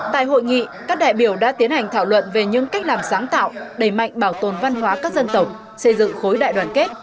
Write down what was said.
tại hội nghị các đại biểu đã tiến hành thảo luận về những cách làm sáng tạo đầy mạnh bảo tồn văn hóa các dân tộc xây dựng khối đại đoàn kết